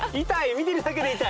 見てるだけで痛い。